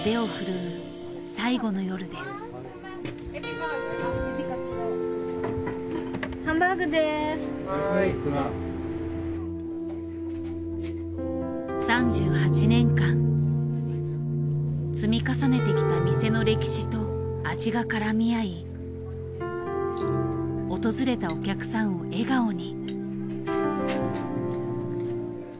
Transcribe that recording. マスター３８年間積み重ねてきた店の歴史と味が絡み合い訪れたお客さんを笑顔に。